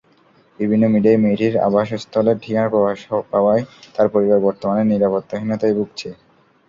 বিভিন্ন মিডিয়ায় মেয়েটির আবাসস্থলের ঠিকানা প্রকাশ পাওয়ায় তাঁর পরিবার বর্তমানে নিরাপত্তাহীনতায় ভুগছে।